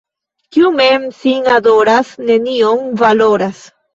Kiu mem sin adoras, nenion valoras.